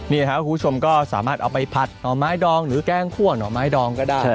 นี่ครับคุณผู้ชมก็สามารถเอาไปผัดหน่อไม้ดองหรือแกล้งคั่วหน่อไม้ดองก็ได้